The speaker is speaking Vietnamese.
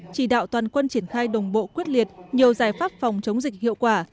chỉ đạo toàn quân triển khai đồng bộ quyết liệt nhiều giải pháp phòng chống dịch hiệu quả